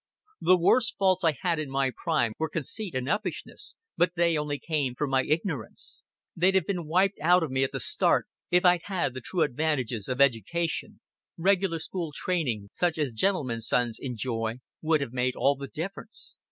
"The worst faults I had in my prime were conceit and uppishness, but they only came from my ignorance. They'd have been wiped out of me at the start, if I'd had the true advantages of education; regular school training, such as gentlemen's sons enjoy, would have made all the difference.